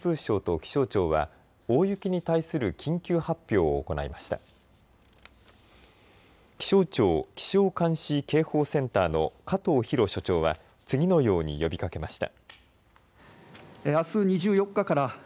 気象庁気象監視・警報センターの加藤廣所長は次のように呼びかけました。